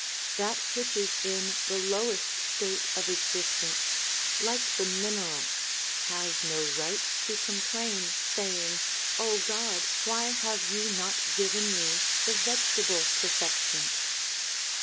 That which is in the lowest state of existence, like the mineral, has no right to complain, saying, God, why have you not given me the vegetable perfections